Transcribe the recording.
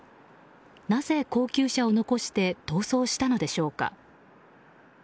なぜ、高級車を残して逃走したのでしょうか。